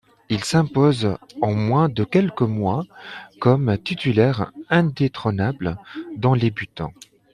Il s'impose en moins de quelques mois comme titulaire indétrônable dans les buts.